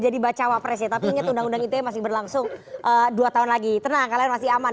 jadi baca wapresnya tapi ini tunda tunda itu masih berlangsung dua tahun lagi tenang kalian masih aman